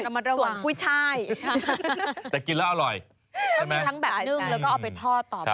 ส่วนกุ้ยช่ายแต่กินแล้วอร่อยก็มีทั้งแบบนึ่งแล้วก็เอาไปทอดต่อไป